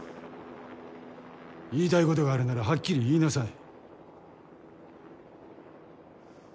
言いたいことがあるならはっきり言いなさい。